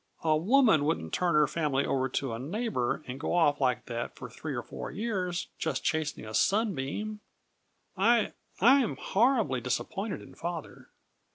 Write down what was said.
A woman wouldn't turn her family over to a neighbor and go off like that for three or four years, just chasing a sunbeam. I I'm horribly disappointed in father.